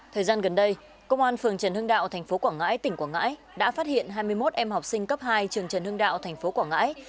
thời gian gần đây công an phường trần hưng đạo tp quảng ngãi tỉnh quảng ngãi đã phát hiện hai mươi một em học sinh cấp hai trường trần hưng đạo tp quảng ngãi